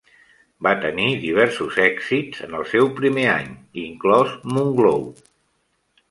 Va tenir diversos èxits en el seu primer any, inclòs Moonglow.